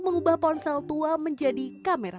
mengubah ponsel tua menjadi kamera